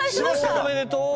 おおおめでとう！